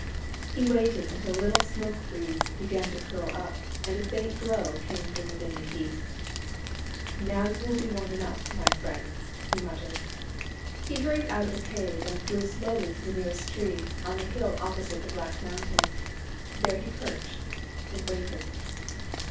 He waited until little smoke wreaths began to curl up, and a faint glow came from within the heap. " Now 370U will be warm enough, my friends !" he muttered. He hurried out of the cave, and flew slowly to the nearest tree, on the hill opposite the Black Mountain. There he perched and waited.